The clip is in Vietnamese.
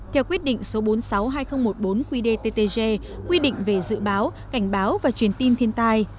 theo quyết định số bốn trăm sáu mươi hai nghìn một mươi bốn qdttg quy định về dự báo cảnh báo và truyền tin thiên tai